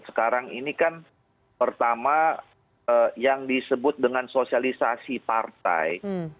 sekarang ini kan pertama yang disebut dengan sosialisasi partai